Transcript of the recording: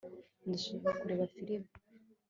ndashaka kureba firime